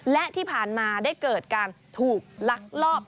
และที่ผ่านมาได้เกิดการถูกลักลอบ